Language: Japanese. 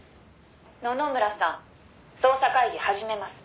「野々村さん捜査会議始めます」